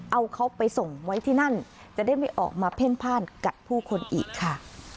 เอาเขาไปส่งไว้ที่นั่นจะได้ไม่ออกมาเพ่นพ่านกัดผู้คนอีกค่ะ